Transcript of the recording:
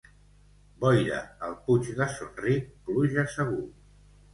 Boira al Puig de Son Ric, pluja segur.